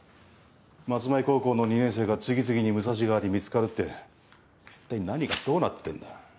松苗高校の２年生が次々に武蔵川で見つかるっていったい何がどうなってんだ。